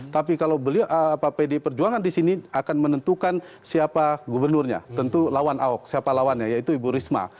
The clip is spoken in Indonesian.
tapi kalau pd perjuangan di sini akan menentukan siapa gubernurnya tentu lawan ahok siapa lawannya yaitu ibu risma